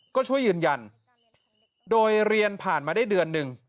ก็ช่วยยืนยันโดยเรียนผ่านมาได้เดือนหนึ่ง